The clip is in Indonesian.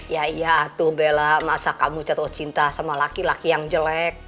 ya ya tuh bella masa kamu jatuh cinta sama laki laki yang jelek